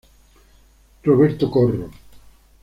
Roberto Corro.